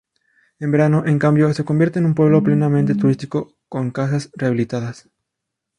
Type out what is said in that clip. En verano en cambio, se convierte en un pueblo plenamente turístico, con casas rehabilitadas.